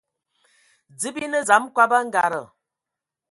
Dze bi ne dzam kɔb a angada.